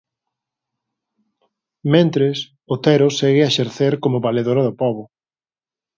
Mentres, Otero segue a exercer como Valedora do Pobo.